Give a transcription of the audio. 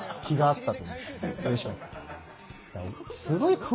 すごい！